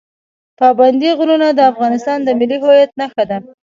پابندی غرونه د افغانستان د ملي هویت نښه ده.